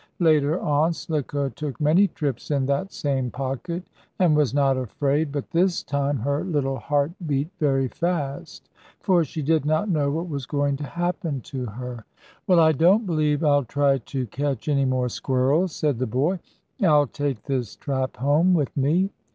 Later on Slicko took many trips in that same pocket, and was not afraid, but this time her little heart beat very fast, for she did not know what was going to happen to her. "Well, I don't believe I'll try to catch any more squirrels," said the boy. "I'll take this trap home with me."